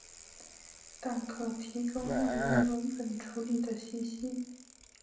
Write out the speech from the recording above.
但可提供用于文本处理的信息。